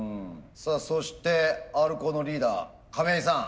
そしてＲコーのリーダー亀井さん。